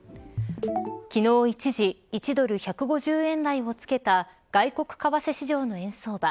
昨日一時１ドル＝１５０円台をつけた外国為替市場の円相場。